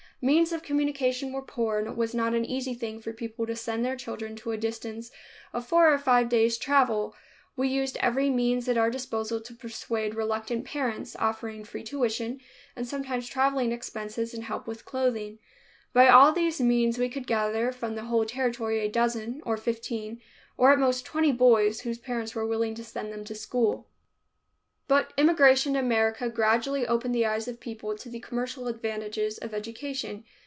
Means of communication were poor and it was not an easy thing for people to send their children to a distance of four or five days' travel. We used every means at our disposal to persuade reluctant parents, offering free tuition and sometimes traveling expenses and help with clothing. By all these means we could gather, from the whole territory, a dozen, or fifteen, or, at most, twenty boys, whose parents were willing to send them to school. [Illustration: TRIPOLI BOYS' SCHOOL First Home] [Illustration: TRIPOLI BOYS' SCHOOL Second Home] But emigration to America gradually opened the eyes of the people to the commercial advantages of education.